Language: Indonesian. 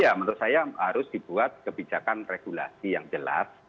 ya menurut saya harus dibuat kebijakan regulasi yang jelas